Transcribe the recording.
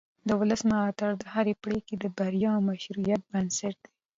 د ولس ملاتړ د هرې پرېکړې د بریا او مشروعیت بنسټ دی